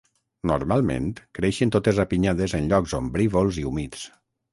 Normalment, creixen totes apinyades en llocs ombrívols i humits.